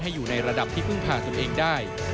ให้อยู่ในระดับที่พึ่งผ่านตัวเองได้